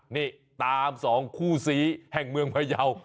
นี่ตาม๒คู่ซีแห่งเมืองพยาว